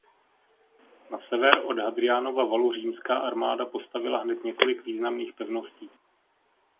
Na sever od Hadriánova valu římská armáda postavila hned několik významných pevností.